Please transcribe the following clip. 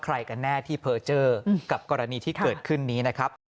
กันแน่ที่เพอร์เจอร์กับกรณีที่เกิดขึ้นนี้นะครับ